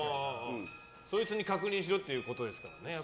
そいつに確認しろってことですね。